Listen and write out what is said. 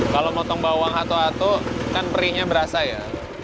kalau motong bawang hato hato kan perihnya berasa ya